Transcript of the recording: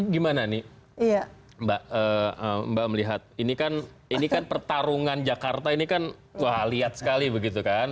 gimana nih mbak melihat ini kan ini kan pertarungan jakarta ini kan wah lihat sekali begitu kan